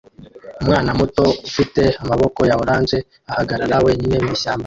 Umwana muto ufite amaboko ya orange ahagarara wenyine mwishyamba